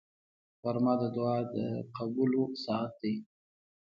غرمه د دعا د قبولو ساعت دی